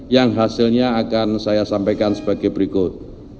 yang hasilnya akan saya sampaikan sebagai berikut